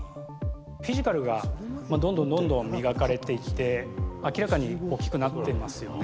フィジカルがどんどんどんどん磨かれていって、明らかに大きくなってますよね。